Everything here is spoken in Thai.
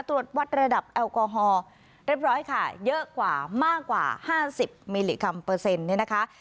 ตรวจวัดระดับแอลกอฮอล์เรียบร้อยค่ะเยอะกว่ามากกว่า๕๐มิลลิกรัมเปอร์เซ็นต์เนี่ยนะคะ